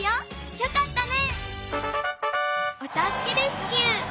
よかったね！